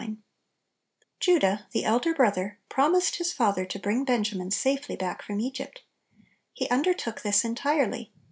J UP AH, the elder brother, promised his father to bring Benjamin safely' back from Egypt. He undertook this entirely.